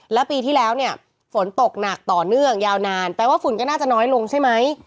แล้วปีที่แล้วเนี่ยฝนตกหนักต่อเนื่องยาวนานแปลว่าฝุ่นก็น่าจะน้อยลงใช่ไหม